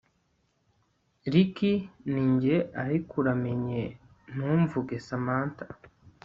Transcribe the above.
Ricky ninjye ariko uramenye ntumvugeSamantha